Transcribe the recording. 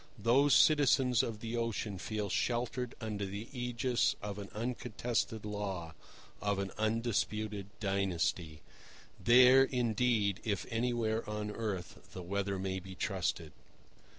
Those citizens of the ocean feel sheltered under the ægis of an uncontested law, of an undisputed dynasty. There, indeed, if anywhere on earth, the weather may be trusted.